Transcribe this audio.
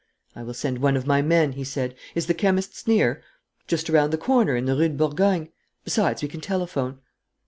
"I will send one of my men," he said. "Is the chemist's near?" "Just around the corner, in the Rue de Bourgogne. Besides, we can telephone."